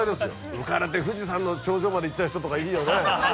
浮かれて富士山の頂上まで行っちゃう人とかいいよね。